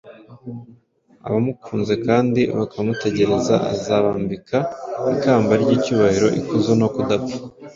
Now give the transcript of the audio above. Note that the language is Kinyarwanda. Abamukunze kandi bakamutegereza, azabambika ikamba ry’icyubahiro, ikuzo no kudapfa.